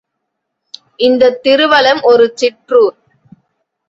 இந்தத் திருவலம் ஒரு சிற்றூர்.